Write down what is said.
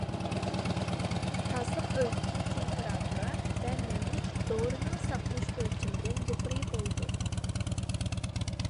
تازىلىق ئۆيىدىكى تېمپېراتۇرا ۋە نەملىك دورىنىڭ ساقلىنىش ئۆلچىمىدىن يۇقىرى بولىدۇ.